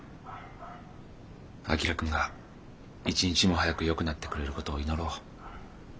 旭君が一日も早くよくなってくれる事を祈ろう。